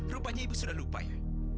rupanya ibu sudah lupa ya